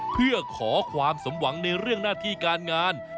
เพื่อขอความสมหวังในเรื่องหน้าที่การงาน